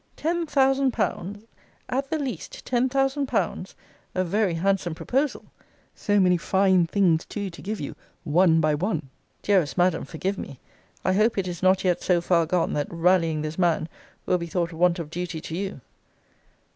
Ten thousand pounds! At the least ten thousand pounds! A very handsome proposal! So many fine things too, to give you one by one! Dearest Madam, forgive me! I hope it is not yet so far gone, that rallying this man will be thought want of duty to you.